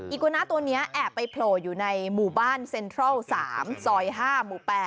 โกนาตัวนี้แอบไปโผล่อยู่ในหมู่บ้านเซ็นทรัล๓ซอย๕หมู่๘